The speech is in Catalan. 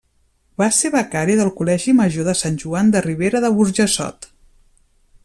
Va ser becari del Col·legi Major Sant Joan de Ribera de Burjassot.